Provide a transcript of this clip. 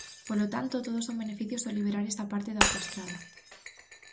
Polo tanto, todos son beneficios ao liberar esa parte da autoestrada.